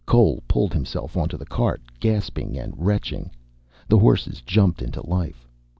Cole pulled himself onto the cart, gasping and retching. The horses jumped into life.